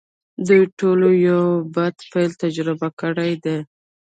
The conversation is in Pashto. دوی ټولو یو بد پیل تجربه کړی دی